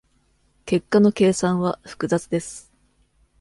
結果の計算は複雑です。